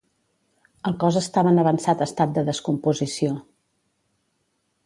El cos estava en avançat estat de descomposició.